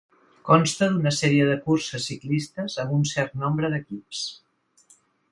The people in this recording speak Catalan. Consta d'una sèrie de curses ciclistes amb un cert nombre d'equips.